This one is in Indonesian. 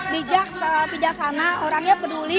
bijaksana orangnya peduli